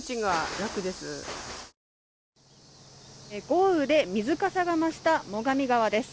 豪雨で水かさが増した最上川です。